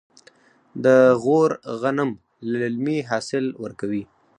د غور غنم للمي حاصل ورکوي.